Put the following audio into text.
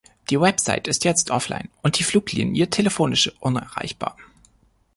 Die Website ist jetzt offline und die Fluglinie telefonisch unerreichbar.